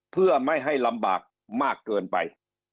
เพื่อไม่ให้ลำบากมากเกินไป